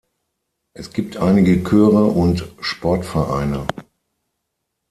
Es gibt einige Chöre und Sportvereine.